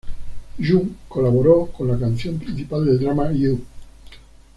Yoon colaboró con la canción principal de drama, "You".